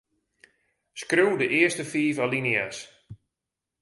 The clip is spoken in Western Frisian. Skriuw de earste fiif alinea's.